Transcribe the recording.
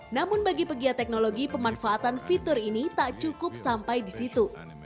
namun bagi pegiat teknologi pemanfaatan fitur ini tak cukup sampai di situ